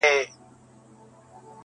وریځو خو ژړله نن اسمان راسره وژړل!!